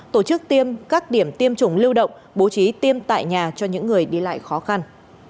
tổ chức tiêm các điểm tiêm chủng lưu động bố trí tiêm tại nhà cho những người đi lại khó khăn